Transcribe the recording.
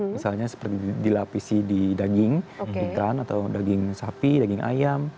misalnya seperti dilapisi di daging ikan atau daging sapi daging ayam